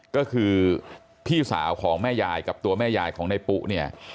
ก็คือพี่สาวของแม่ยายกับตัวแม่ยายของในปุ๊เนี่ย